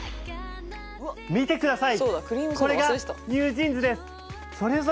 見てください。